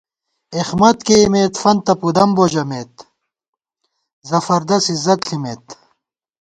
اېخمت کېئیمېت فنتہ پُدَم بو ژَمېت ، زفردس عزت ݪِمېت